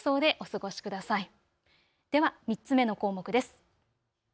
では３つ目の項目です。